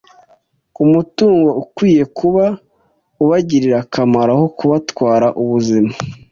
umutungo ukwiye kuba ubagirira akamaro aho kubatwara ubuzima.